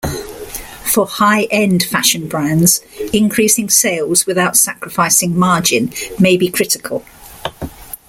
For high-end fashion brands, increasing sales without sacrificing margin may be critical.